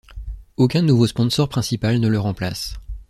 Aucun nouveau sponsor principal ne le remplace.